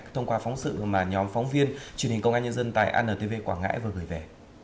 thông qua phóng sự mà nhóm phóng viên truyền hình công an nhân dân tại antv quảng ngãi vừa gửi về